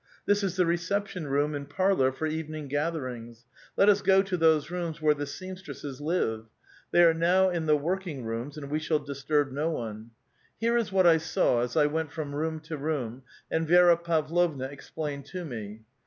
This is the reception room and par lor for evening gatherings ; let us go to those rooms where the seamstresses live. They are now in the working rooms, and we shall disturb no one." Here is what I saw as I went from room to room, and Vi^ra Pavlovna explained to me.